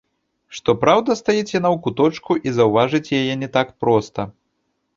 Што праўда, стаіць яна ў куточку, і заўважыць яе не так проста.